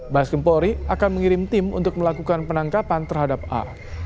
baskrimpori akan mengirim tim untuk melakukan penangkapan terhadap a